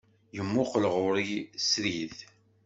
Yemmuqqel ɣur-i srid.